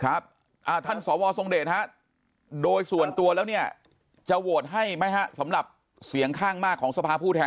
ท่านสวทรงเดชฮะโดยส่วนตัวแล้วเนี่ยจะโหวตให้ไหมฮะสำหรับเสียงข้างมากของสภาผู้แทน